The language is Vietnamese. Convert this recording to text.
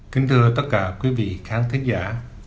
kính thưa tất cả quý vị khán giả